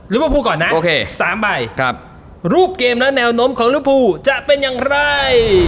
ลูปภูก่อนนะโอเคสามใบครับรูปเกมและแนวนมของลูปภูจะเป็นอย่างไร